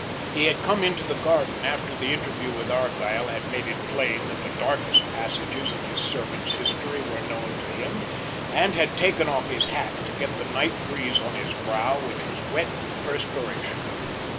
He had come into the garden after the interview with Argyll had made it plain that the darkest passages in his servant's history were known to him, and had taken off his hat to get the night breeze on his brow which was wet with perspiration.